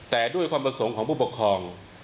แต่ด้วยความประสงค์ของผู้ปกครอง